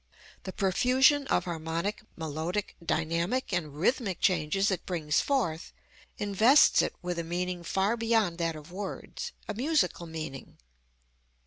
The profusion of harmonic, melodic, dynamic and rhythmic changes it brings forth invests it with a meaning far beyond that of words, a musical meaning.